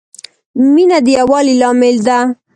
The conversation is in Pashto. مینه د یووالي لامل ده.